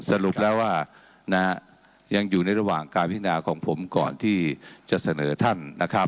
สรุปแล้วว่ายังอยู่ในระหว่างการพินาของผมก่อนที่จะเสนอท่านนะครับ